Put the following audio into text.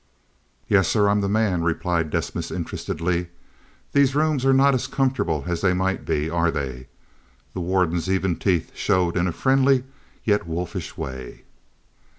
"Yes, sir, I'm the man," replied Desmas interestedly. "These rooms are not as comfortable as they might be, are they?" The warden's even teeth showed in a friendly, yet wolfish, way.